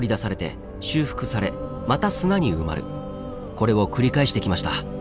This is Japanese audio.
これを繰り返してきました。